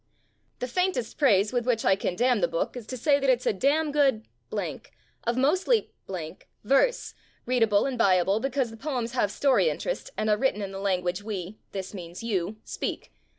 The faintest praise with which I can d ^n the book is to say that it's a d ^n good b k of mostly verse, readable and buyable because the poems have story interest and are written in the language we, this means you, speak.